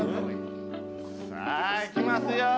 さあ、いきますよ